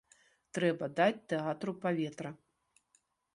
Трэба даць тэатру паветра.